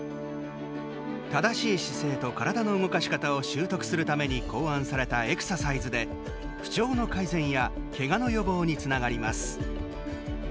正しい姿勢と体の動かし方を習得するために考案されたエクササイズで不調の改善やけがの予防につながります。